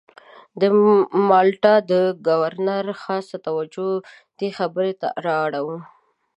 د مالټا د ګورنر خاصه توجه دې خبرې ته را اړوو.